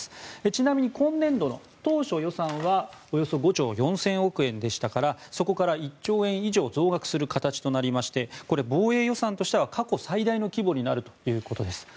ちなみに今年度の当初予算はおよそ５兆４０００億円でしたからそこから１兆円以上増額する形となりましてこれ、防衛予算としては過去最大規模になるということです。